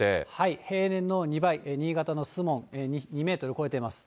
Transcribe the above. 平年の２倍、新潟の守門、２メートル超えてます。